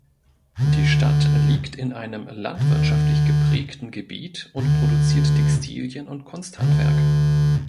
Die Stadt liegt in einem landwirtschaftlich geprägten Gebiet und produziert Textilien und Kunsthandwerk.